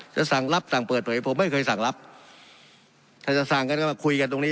จะสั่งรับสั่งเปิดเผยผมไม่เคยสั่งรับถ้าจะสั่งกันก็มาคุยกันตรงนี้